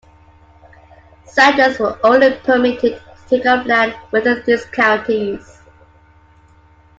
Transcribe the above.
Settlers were only permitted to take up land within these counties.